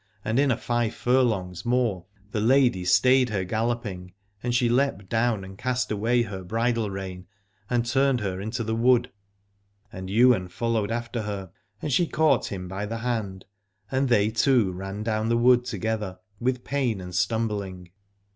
And in a five furlongs more the lady stayed her galloping, and she leapt down and cast away her bridle rein and turned her into the wood. And Ywain followed after her, and she caught him by the hand, and they two ran down the wood together with pain and stumbling.